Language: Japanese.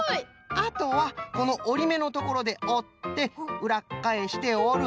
あとはこのおりめのところでおってうらっかえしておる。